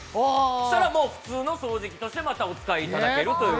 そうしたらもう普通の掃除機としてまたお使いいただけるというえ